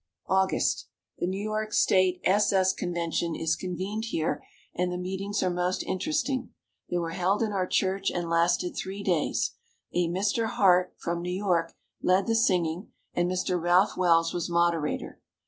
August. The New York State S. S. convention is convened here and the meetings are most interesting. They were held in our church and lasted three days. A Mr. Hart, from New York, led the singing and Mr. Ralph Wells was Moderator.